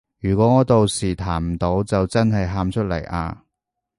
如果我到時彈唔到就真係喊出嚟啊